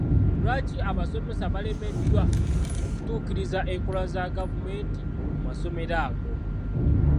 Lwaki abasomesa balemeddwa okutuukiriza enkola za gavumenti mu masomero ago?